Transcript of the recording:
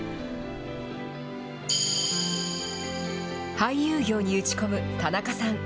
俳優業に打ち込む田中さん。